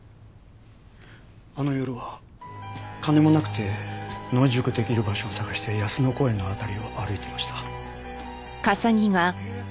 あの夜は金もなくて野宿できる場所を探して安乃公園の辺りを歩いていました。